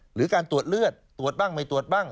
หรือการตรวจเลือดตรวจบ้างไม่ตรวจบ้าง